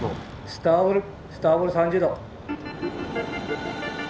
スターボルスターボル３０度。